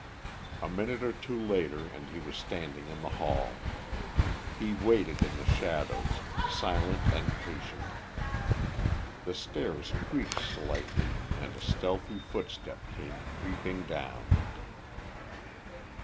A minute or two later and he was standing in the hall. He waited in shadow, silent and patient. The stairs creaked slightly and a stealthy footstep came creeping down.